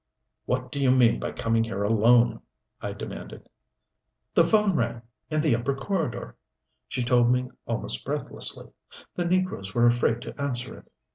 "What do you mean by coming here alone?" I demanded. "The phone rang in the upper corridor," she told me almost breathlessly. "The negroes were afraid to answer it.